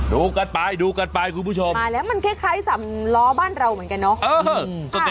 ดูกันไปดูกันไปคุณผู้ชมมาแล้วมันคล้ายสำล้อบ้านเราเหมือนกันเนาะ